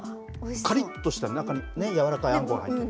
かりっとした中にね、やわらかいあんこが入ってる。